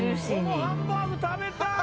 「このハンバーグ食べたい！」